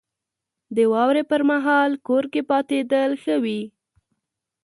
• د واورې پر مهال کور کې پاتېدل ښه وي.